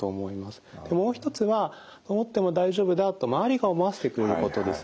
もう一つはどもっても大丈夫だと周りが思わせてくれることですね。